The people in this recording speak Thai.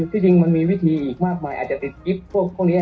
ที่จริงมันมีวิธีอีกมากมายอาจจะติดกิ๊บพวกนี้